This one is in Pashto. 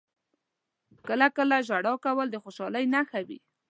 • کله کله ژړا کول د خوشحالۍ نښه وي.